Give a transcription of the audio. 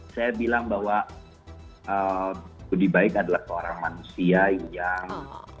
saya bilang bahwa budi baik adalah seorang manusia yang